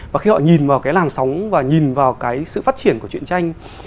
và khi họ nhìn vào cái làn sóng và nhìn vào cái sự phát triển của chuyện tranh